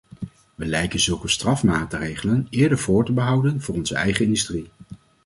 We lijken zulke strafmaatregelen eerder voor te behouden voor onze eigen industrie.